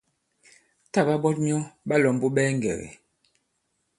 Tǎ ɓa ɓɔt myɔ ɓa lɔ̀mbu ɓɛɛ ŋgɛ̀gɛ̀.